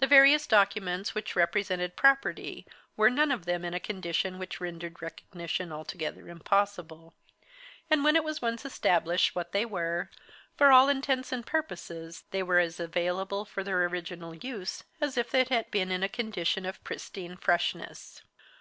The various documents which represented property were none of them in a condition which rendered recognition altogether impossible, and when it was once established what they were, for all intents and purposes they were as available for their original use as if they had been in a condition of pristine freshness.